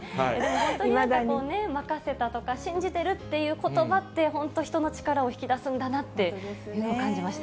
本当になんかこう、任せたとか、信じてるっていうことばって本当、人の力を引き出すんだなって、感じました。